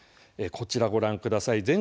こちら、ご覧ください。